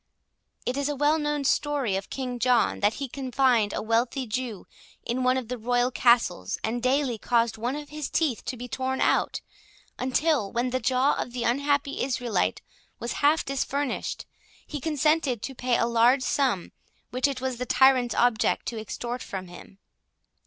It is a well known story of King John, that he confined a wealthy Jew in one of the royal castles, and daily caused one of his teeth to be torn out, until, when the jaw of the unhappy Israelite was half disfurnished, he consented to pay a large sum, which it was the tyrant's object to extort from him.